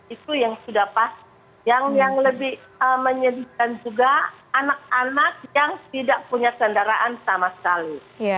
itu yang sudah pas yang lebih menyedihkan juga anak anak yang tidak punya kendaraan sama sekali